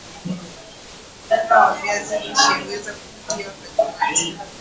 unga wa viazi lishe huweza kupikiwa kalimati